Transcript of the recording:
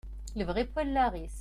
Lebɣi n wallaɣ-is.